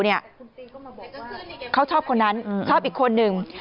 เขาชอบคนนั้นชอบอีกคนนึง